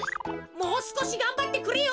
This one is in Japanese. もうすこしがんばってくれよ。